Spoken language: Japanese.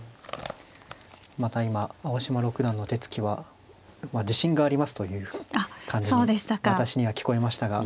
また今青嶋六段の手つきは自信がありますという感じに私には聞こえましたが。